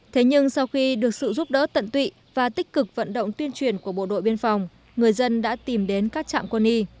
thế nhưng sau khi được sự giúp đỡ tận tụy và tích cực vận động tuyên truyền của bộ đội biên phòng người dân đã tìm đến các trạm quân y